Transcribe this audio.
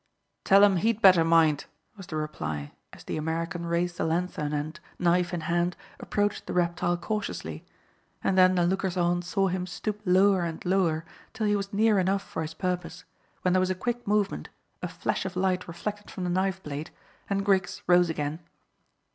"Tell him he'd better mind," was the reply, as the American raised the lanthorn and, knife in hand, approached the reptile cautiously, and then the lookers on saw him stoop lower and lower till he was near enough for his purpose, when there was a quick movement, a flash of light reflected from the knife blade, and Griggs rose again.